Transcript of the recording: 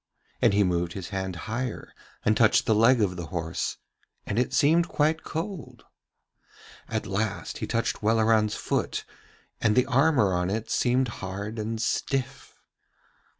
And he moved his hand higher and touched the leg of the horse, and it seemed quite cold. At last he touched Welleran's foot, and the armour on it seemed hard and stiff.